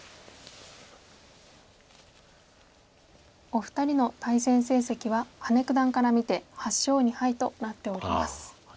お二人の対戦成績は羽根九段から見て８勝２敗となっております。